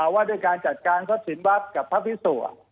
ว่าด้วยการจัดการศิลวัฒน์กับพระภิกษุ